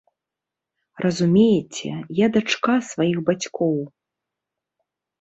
Разумееце, я дачка сваіх бацькоў.